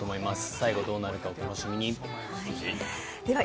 最後どうなるか、お楽しみに。